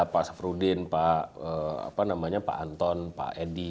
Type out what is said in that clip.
pak safrudin pak anton pak edi